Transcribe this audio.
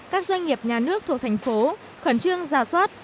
các doanh nghiệp nhà nước thuộc tp khẩn trương ra soát